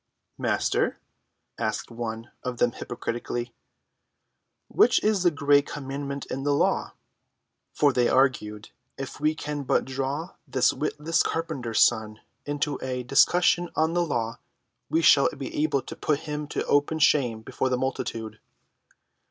"Master," asked one of them hypocritically, "which is the great commandment in the law?" For, they argued, if we can but draw this witless carpenter's son into a discussion on the law we shall be able to put him to open shame before the multitude.